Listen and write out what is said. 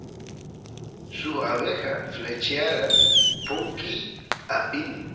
suk abeja flechyara punkiy apini